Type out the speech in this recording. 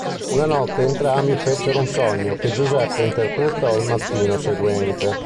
Una notte entrambi fecero un sogno che Giuseppe interpretò il mattino seguente.